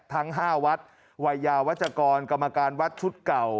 ทั้ง๕วัดวัยยาวัชกรกรรมการวัดชุดเก่า